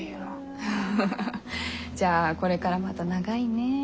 フフフフじゃあこれからまだ長いね。